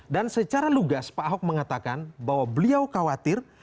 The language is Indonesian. dan secara lugas pak ahok mengatakan bahwa beliau khawatir